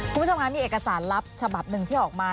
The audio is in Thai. คุณผู้ชมคะมีเอกสารลับฉบับหนึ่งที่ออกมา